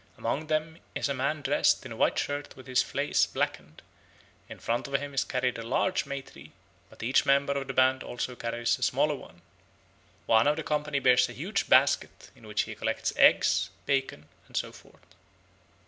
Amongst them is a man dressed in a white shirt with his face blackened; in front of him is carried a large May tree, but each member of the band also carries a smaller one. One of the company bears a huge basket, in which he collects eggs, bacon, and so forth.